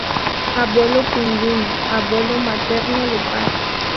Abuelo Pingüino: Abuelo materno de Paz.